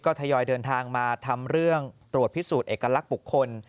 ทยอยเดินทางมาทำเรื่องตรวจพิสูจน์เอกลักษณ์บุคคล